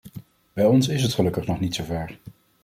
Bij ons is het gelukkig nog niet zover.